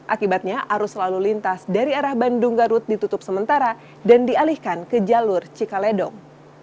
akibatnya arus lalu lintas dari arah bandung garut ditutup sementara dan dialihkan ke jalur cikaledong